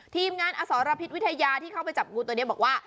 ทีมงานอสรพิษวิทยาที่เข้าไปจับงูตัวนี้บอกว่า